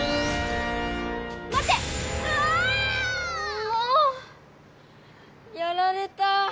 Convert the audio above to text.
もう！やられた。